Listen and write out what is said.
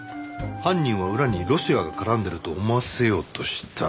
犯人は裏にロシアが絡んでいると思わせようとした。